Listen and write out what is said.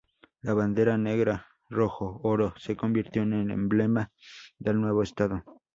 La bandera negra-rojo-oro se convirtió en el emblema del nuevo estado.